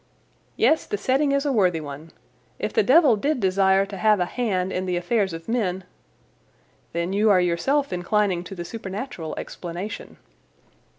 "Yes, the setting is a worthy one. If the devil did desire to have a hand in the affairs of men—" "Then you are yourself inclining to the supernatural explanation."